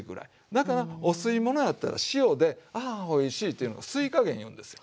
だからお吸い物やったら塩でああおいしいっていうのが「吸いかげん」言うんですよ。